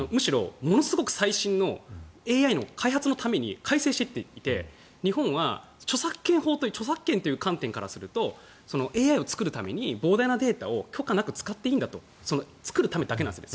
ものすごく最新のＡＩの開発のために改正していて日本は著作権という観点からするとＡＩを作るために膨大なデータを許可なく使っていいんだと作るためだけなんですね。